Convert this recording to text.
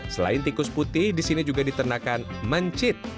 selain tikus putih di sini juga diternakan mencit